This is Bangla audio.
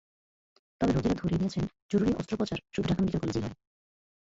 তবে রোগীরা ধরেই নিয়েছেন জরুরি অস্ত্রোপচার শুধু ঢাকা মেডিকেল কলেজেই হয়।